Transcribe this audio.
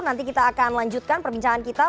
nanti kita akan lanjutkan perbincangan kita